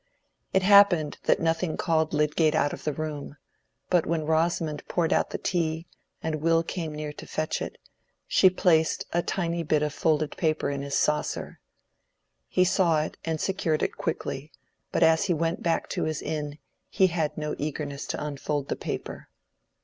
It happened that nothing called Lydgate out of the room; but when Rosamond poured out the tea, and Will came near to fetch it, she placed a tiny bit of folded paper in his saucer. He saw it and secured it quickly, but as he went back to his inn he had no eagerness to unfold the paper.